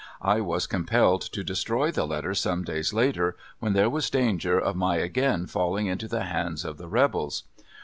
I was compelled to destroy the letter some days later, when there was danger of my again falling into the hands of the rebels.